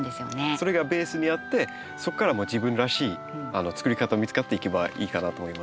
それがベースにあってそこから自分らしいつくり方見つかっていけばいいかなと思います。